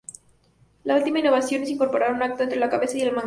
La última innovación es incorporar un arco entre la cabeza y el mango.